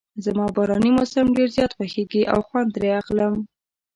زما باراني موسم ډېر زیات خوښیږي او خوند ترې اخلم.